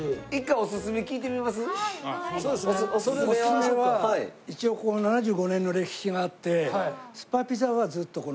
おすすめは一応ここ７５年の歴史があってスパピザはずっとこの。